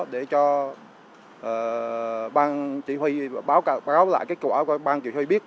để cho bang chỉ huy báo lại kết quả của bang chỉ huy biết